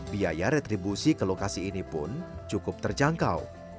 biaya retribusi ke lokasi ini pun cukup terjangkau